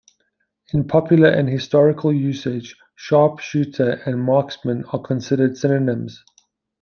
In popular and historical usage, "sharpshooter" and "marksman" are considered synonyms.